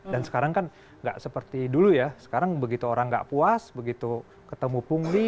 dan sekarang kan nggak seperti dulu ya sekarang begitu orang nggak puas begitu ketemu pungli